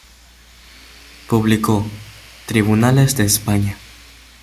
Publicó "Tribunales de España.